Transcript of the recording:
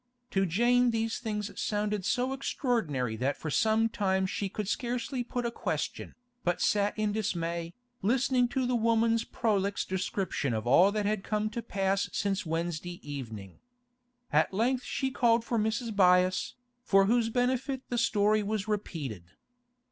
To Jane these things sounded so extraordinary that for some time she could scarcely put a question, but sat in dismay, listening to the woman's prolix description of all that had come to pass since Wednesday evening. At length she called for Mrs. Byass, for whose benefit the story was repeated.